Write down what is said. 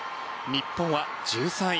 日本は１３位。